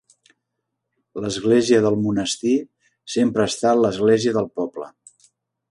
L'església del monestir sempre ha estat l'església del poble.